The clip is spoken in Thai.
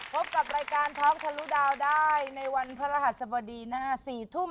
พบกับรายการท็อกทะลุดาวได้ในวันพระรหัสบดีหน้า๔ทุ่ม